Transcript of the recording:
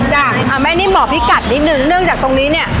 แม่นิ่มบอกพี่กัดนิดนึงเนื่องจากตรงนี้เนี่ย